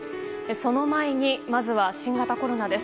その前にまずは新型コロナです。